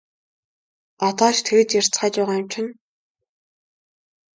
Одоо ч тэгж ярьцгааж байгаа юм чинь!